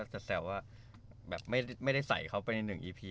มันขอดูดแสวครับแบบไม่ได้ไส่เขาไปนึงอีพี